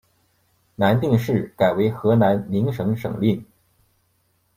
南定市改为河南宁省省莅。